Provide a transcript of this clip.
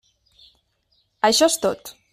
Això és tot.